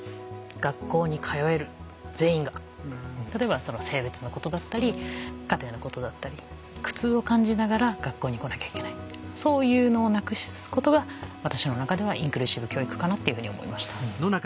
例えば性別のことだったり家庭のことだったり苦痛を感じながら学校に来なきゃいけないそういうのをなくすことが私の中ではインクルーシブ教育かなっていうふうに思いました。